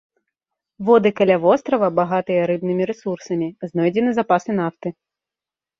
Воды каля вострава багатыя рыбнымі рэсурсамі, знойдзены запасы нафты.